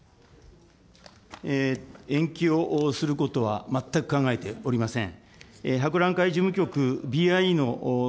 延期をすることは全く考えておりません。